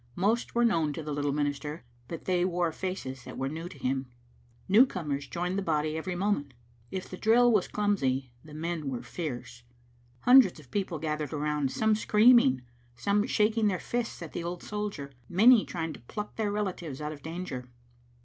Most were known to the little minister, but they wore faces that were new to him. Newcomers joined the bod)' every moment. If the drill was clumsy the men were fierce. Hundreds of people gathered around, some screaming, some shaking their fists at the old soldier, many trying to pluck their relatives out of danger.